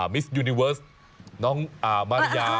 มิสยูนิเวิร์สน้องมาริยา